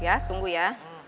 ya tunggu ya